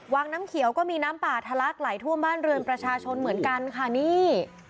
วังน้ำเขียวก็มีน้ำป่าทะลักไหลท่วมบ้านเรือนประชาชนเหมือนกันค่ะนี่